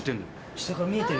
下から見えてる。